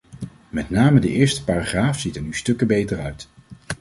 Met name de eerste paragraaf ziet er nu stukken beter uit.